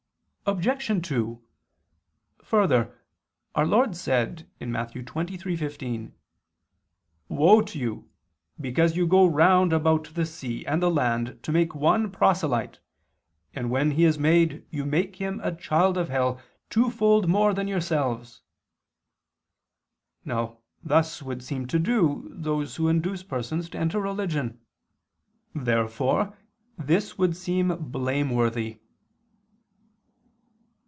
Obj. 2: Further, our Lord said (Matt. 23:15): "Woe to you ... because you go round about the sea and the land to make one proselyte, and when he is made you make him the child of hell twofold more than yourselves." Now thus would seem to do those who induce persons to enter religion. Therefore this would seem blameworthy.